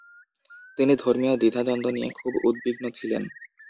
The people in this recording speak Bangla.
তিনি ধর্মীয় দ্বিধাদ্বন্দ্ব নিয়ে খুব উদ্বিগ্ন ছিলেন।